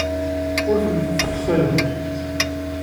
Ur tent-ssefsayeɣ.